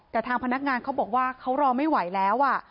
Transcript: แต่ทางพนักงานเขาบอกว่าเขารอไม่ไหวแล้ว